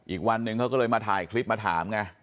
อีกวันหนึ่งเขาก็เลยมาถ่ายคลิปมาถามไง